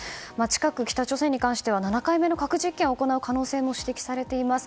近く、北朝鮮に関しては７回目の核実験を行う可能性も指摘されています。